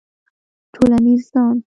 ټولنیز ځان